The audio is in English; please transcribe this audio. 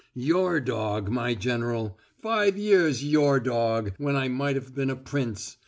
"Your dog, my General. Five years your dog, when I might have been a prince.